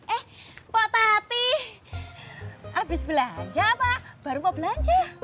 eh pak tati abis belanja pak baru mau belanja